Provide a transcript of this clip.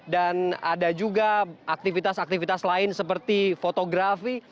dan ada juga aktivitas aktivitas lain seperti fotografi